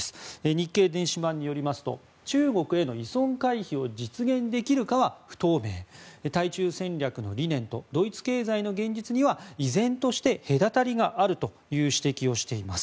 日経電子版によりますと中国への依存回避を実現できるかは不透明対中戦略の理念とドイツ経済の現実には依然として隔たりがあるという指摘をしています。